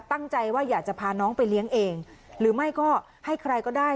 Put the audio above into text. ตั้งใจว่าอยากจะพาน้องไปเลี้ยงเองหรือไม่ก็ให้ใครก็ได้